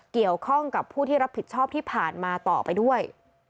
เกี่ยวข้องกับผู้ที่รับผิดชอบที่ผ่านมาต่อไปด้วย